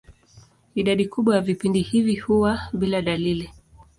Idadi kubwa ya vipindi hivi huwa bila dalili.